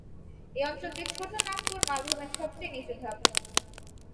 এই অঞ্চলটি ছোটো নাগপুর মালভূমির সবচেয়ে নিচু ধাপ।